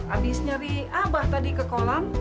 abis nyeri abah tadi ke kolam